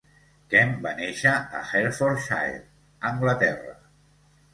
Kemp va néixer a Hertfordshire, Anglaterra.